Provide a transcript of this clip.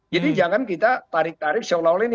jadi jangan kita tarik tarik seolah olah ini